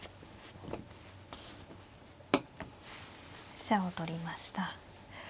飛車を取りました。